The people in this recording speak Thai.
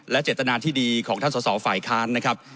เจตนาที่ดีของท่านสอสอฝ่ายค้านนะครับ